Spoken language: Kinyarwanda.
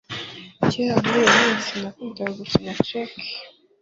kera muri iyo minsi, nakundaga gukina cheque